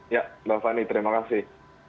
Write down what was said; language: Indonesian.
ya mbak fani terima kasih